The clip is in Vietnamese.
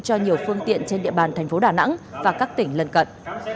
cho nhiều phương tiện trên địa bàn thành phố đà nẵng và các tỉnh lân cận